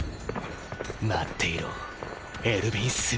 待っていろエルヴィン・スミス。